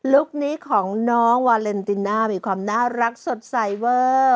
ุคนี้ของน้องวาเลนติน่ามีความน่ารักสดใสเวอร์